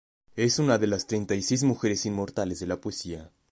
Es una de las treinta y seis mujeres inmortales de la poesía.